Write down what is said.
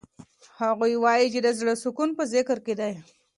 هغوی وایي چې د زړه سکون په ذکر کې دی.